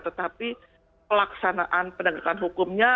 tetapi pelaksanaan pendekatan hukumnya